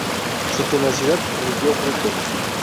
Su tenacidad rindió frutos.